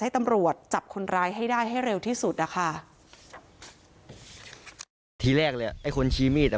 ตำรวจจับคนร้ายให้ได้ให้เร็วที่สุดอ่ะค่ะทีแรกเลยอ่ะไอ้คนชี้มีดอ่ะ